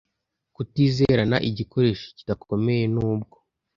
Kutizerana, igikoresho kidakomeye nubwo